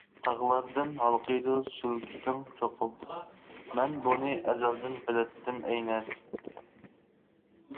تاغلاردىن ھالقىيدۇ سۈلكىتىڭ چوقۇم، مەن بۇنى ئەزەلدىن بىلەتتىم ئەينەن.